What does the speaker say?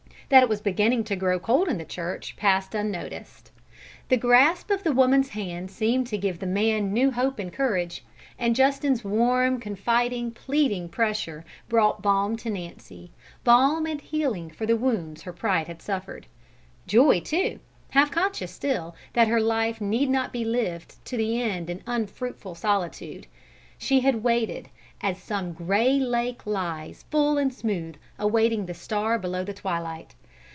That it was beginning to grow cold in the church passed unnoticed. The grasp of the woman's hand seemed to give the man new hope and courage, and Justin's warm, confiding, pleading pressure brought balm to Nancy, balm and healing for the wounds her pride had suffered; joy, too, half conscious still, that her life need not be lived to the end in unfruitful solitude. She had waited, "as some grey lake lies, full and smooth, awaiting the star below the twilight."